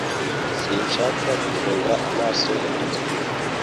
Sinshaka gufunga amaso yanjye